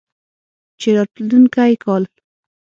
چې راتلونکی کال